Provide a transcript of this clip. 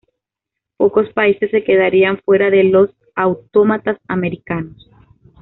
Pocos países se quedarían fuera de los autómatas americanos.